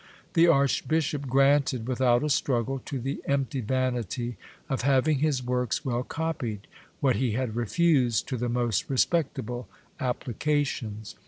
The archbishop granted, without a struggle, to the empty vanity of having his works well copied, what he had refused to the most respectable applications.